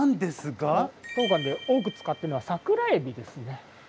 当館で多く使ってるのはサクラエビですね。